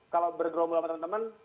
kalau bergerombol sama temen temen